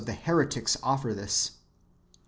the heretics [offer this].